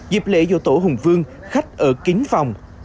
dịp lễ vô tổ hùng vương khách ở kín phòng